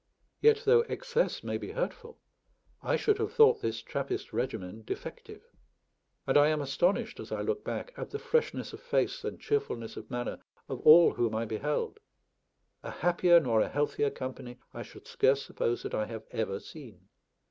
Yet, though excess may be hurtful, I should have thought this Trappist regimen defective. And I am astonished, as I look back, at the freshness of face and cheerfulness of manner of all whom I beheld. A happier nor a healthier company I should scarce suppose that I have ever seen.